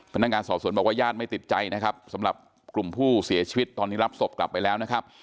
พนักงานสอบสวนบอกว่าญาติไม่ติดใจนะครับสำหรับกลุ่มผู้เสียชีวิตตอนนี้รับศพกลับไปแล้วนะครับ